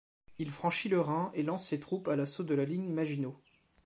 Il franchit le Rhin et lance ses troupes à l'assaut de la ligne Maginot.